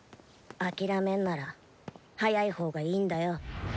諦めんなら早い方がいいんだよ。